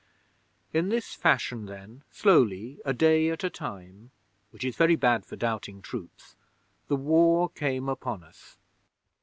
'In this fashion then, slowly, a day at a time, which is very bad for doubting troops, the War came upon us.